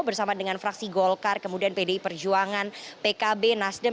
bersama dengan fraksi golkar kemudian pdi perjuangan pkb nasdem